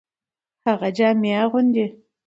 هغه جامي اغوندي .